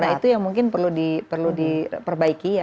nah itu yang mungkin perlu diperbaiki ya